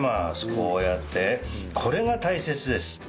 こうやってこれが大切です。